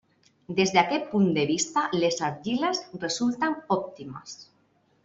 Des d'aqueix punt de vista les argiles, resulten òptimes.